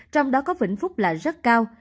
trong đó có vĩnh phúc là rất cao